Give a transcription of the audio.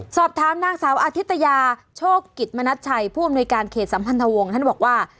สอบถามนางสาวอธิตยาโชคกิจมณัชชัยผู้อำนวยการเขตสัมพันธวงศ์ท่านบอกว่า